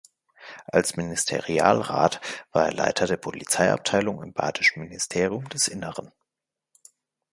Als Ministerialrat war er Leiter der Polizeiabteilung im Badischen Ministerium des Inneren.